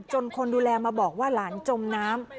คนดูแลมาบอกว่าหลานจมน้ำ